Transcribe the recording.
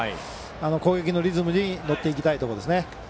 攻撃のリズムに乗っていきたいところですね。